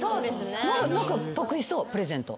何か得意そうプレゼント。